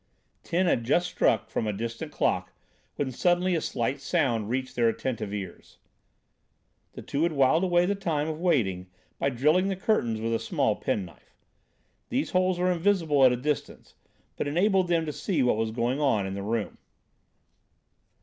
Ten had just struck from a distant clock when suddenly a slight sound reached their attentive ears. The two had whiled away the time of waiting by drilling the curtains with a small penknife. These holes were invisible at a distance, but enabled them to see what was going on in the room.